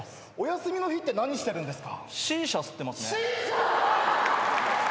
休みの日何してるんですか！